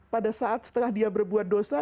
pada saat setelah dia berbuat dosa